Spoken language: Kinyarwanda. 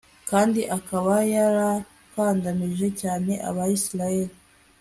kandi akaba yarakandamije cyane abayisraheli